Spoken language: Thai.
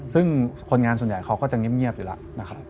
ซึ่งคนงานส่วนใหญ่เขาก็จะเงียบอยู่แล้วนะครับ